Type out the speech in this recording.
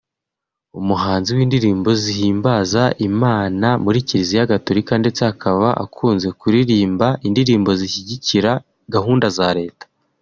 Umuhanzi w’indirimbo zihimbaza Imana muri Kiliziya Gatolika ndetse akaba akunze kuririmba indirimbo zishyigikira gahunda za Leta